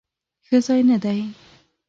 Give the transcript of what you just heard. ښه ځای نه دی؟